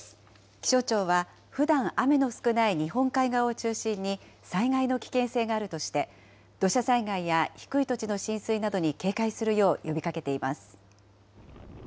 気象庁は、ふだん雨の少ない日本海側を中心に、災害の危険性があるとして、土砂災害や低い土地の浸水などに警戒するよう呼びかけています。